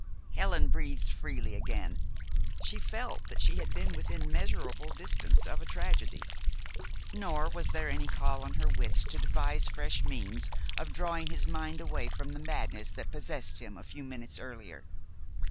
Helen breathed freely again. She felt that she had been within measurable distance of a tragedy. Nor was there any call on her wits to devise fresh means of drawing his mind away from the madness that possessed him a few minutes earlier.